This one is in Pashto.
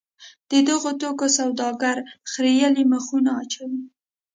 د دغو توکو سوداګر خریېلي مخونه اچوي.